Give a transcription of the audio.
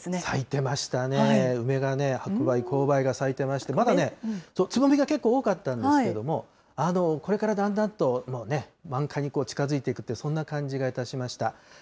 咲いてましたね、梅がね、白梅、紅梅が咲いてまして、まだね、つぼみが結構多かったんですけれども、これからだんだんと満開に近づいていく、そんな感じがいたしました。